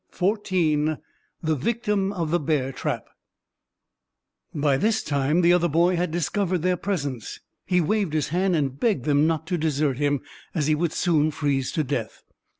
CHAPTER XIV THE VICTIM OF THE BEAR TRAP By this time the other boy had discovered their presence. He waved his hand, and begged them not to desert him, as he would soon freeze to death.